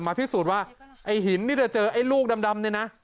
พิสูจน์ว่าไอ้หินที่จะเจอไอ้ลูกดำเนี่ยนะ